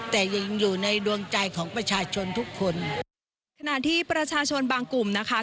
แต่ยังอยู่ในดวงใจของประชาชนทุกคนขณะที่ประชาชนบางกลุ่มนะคะ